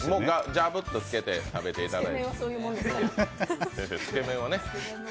じゃぶっとつけて食べていただく。